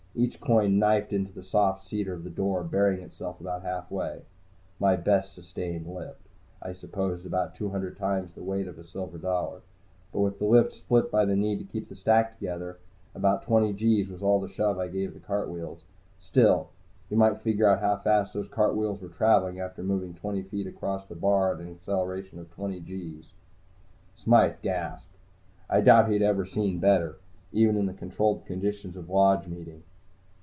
Each coin knifed into the soft cedar of the door, burying itself about halfway. My best sustained lift, I suppose is about two hundred times the weight of a silver dollar. But with the lift split by the need to keep the stack together, about twenty gees was all the shove I gave the cartwheels. Still, you might figure out how fast those cartwheels were traveling after moving twenty feet across the bar at an acceleration of twenty gees. Smythe gasped. I doubted he had ever seen better, even in the controlled conditions of Lodge Meeting.